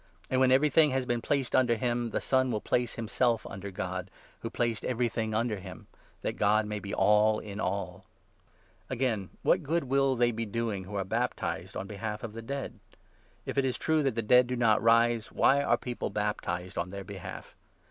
And, when everything has been placed under him, the Son will place himself under God who placed everything under him, that God may be all in all ! Again, what good will they be doing who are baptized on behalf of the dead ? If it is true that the dead do not rise, why are people baptized on their behalf?.